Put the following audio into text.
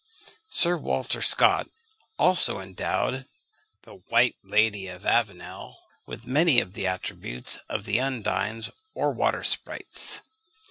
Sir Walter Scott also endowed the White Lady of Avenel with many of the attributes of the undines or water sprites.